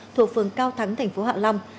thuộc phường cao thắng tp hạ long